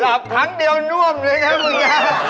หลับครั้งเดียวน่วมเลยนะคุณเอง